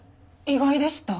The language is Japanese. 意外でした。